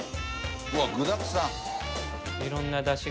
うわっ具だくさん。